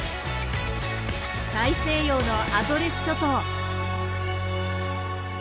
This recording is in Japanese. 大西洋のアゾレス諸島。